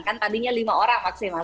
kan tadinya lima orang maksimal